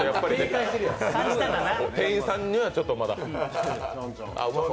店員さんにはちょっとまだ。